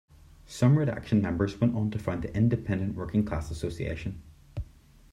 Some Red Action members went on to found the Independent Working Class Association.